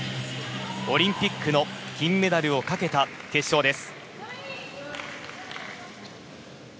オリンピックの金メダルをかけた決勝です。